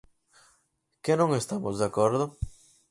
¿Que non estamos de acordo?